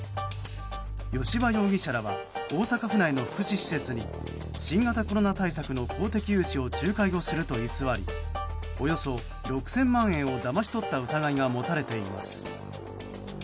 吉羽容疑者らは大阪府内の福祉施設に新型コロナ対策の公的融資の仲介をすると偽りおよそ６０００万円をだまし取った疑いが持たれています。